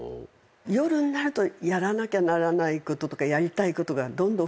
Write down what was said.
夜んなるとやらなきゃならないこととかやりたいことがどんどん増えてくるんですね。